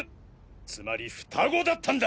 つまり双子だったんだ！